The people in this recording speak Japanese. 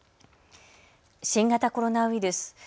新型コロナウイルス。